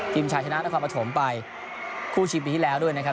ชายชนะนครปฐมไปคู่ชิงปีที่แล้วด้วยนะครับ